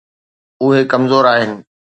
اهي ڪمزور آهن.